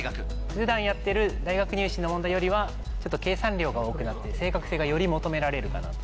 普段やってる大学入試の問題よりはちょっと計算量が多くなって正確性がより求められるかなと。